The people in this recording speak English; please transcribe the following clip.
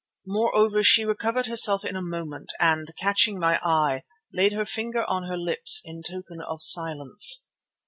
Moreover she recovered herself in a moment, and, catching my eye, laid her finger on her lips in token of silence.